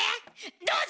どうぞ！